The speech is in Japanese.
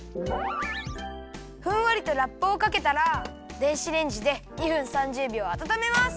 ふんわりとラップをかけたら電子レンジで２分３０びょうあたためます。